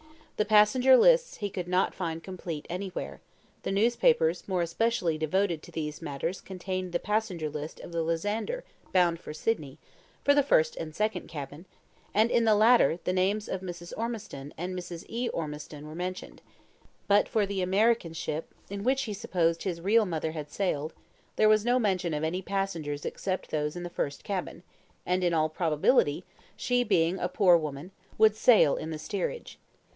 The passenger lists he could not find complete anywhere; the newspapers more especially devoted to these matters contained the passenger list of the 'Lysander' bound for Sydney, for the first and second cabin, and in the latter the names of Mrs. Ormistown and Miss E. Ormistown were mentioned; but for the American ship, in which he supposed his real mother had sailed, there was no mention of any passengers except those in the first cabin; and in all probability, she being a poor woman, would sail in the steerage.